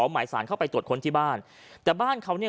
หมายสารเข้าไปตรวจค้นที่บ้านแต่บ้านเขาเนี่ย